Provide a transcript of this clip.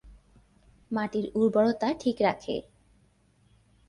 মাটির উর্বরতা ঠিক রাখে।